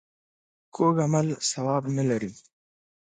کوږ عمل ثواب نه لري